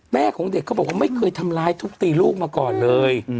ของเด็กเขาบอกว่าไม่เคยทำร้ายทุบตีลูกมาก่อนเลย